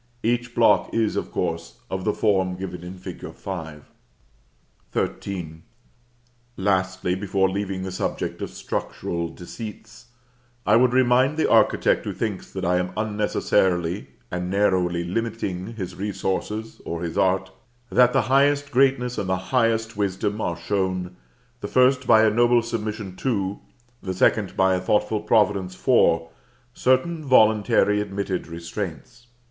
Each block is, of course, of the form given in fig. 5. XIII. Lastly, before leaving the subject of structural deceits, I would remind the architect who thinks that I am unnecessarily and narrowly limiting his resources or his art, that the highest greatness and the highest wisdom are shown, the first by a noble submission to, the second by a thoughtful providence for, certain voluntarily admitted restraints.